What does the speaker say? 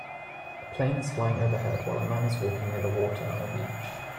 A plane is flying overhead while a man is walking near the water on a beach.